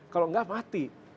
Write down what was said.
kalau nggak mati